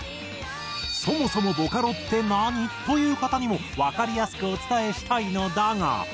そもそもボカロって何？という方にもわかりやすくお伝えしたいのだが。